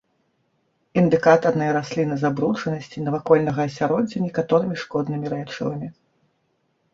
Індыкатарныя расліны забруджанасці навакольнага асяроддзя некаторымі шкоднымі рэчывамі.